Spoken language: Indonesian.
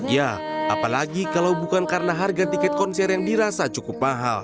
ya apalagi kalau bukan karena harga tiket konser yang dirasa cukup mahal